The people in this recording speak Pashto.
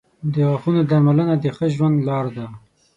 • د غاښونو درملنه د ښه ژوند لار ده.